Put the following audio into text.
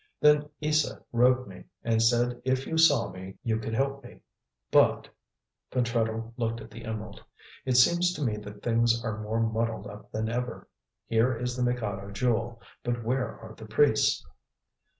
Then Isa wrote me and said if you saw me you could help me. But," Pentreddle looked at the emerald, "it seems to me that things are more muddled up than ever. Here is the Mikado Jewel, but where are the priests?"